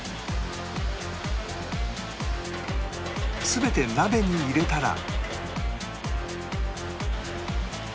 全て鍋に入れたら